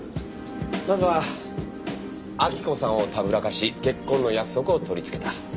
まずは明子さんをたぶらかし結婚の約束を取り付けた。